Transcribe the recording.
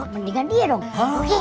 mendingan dia dong oke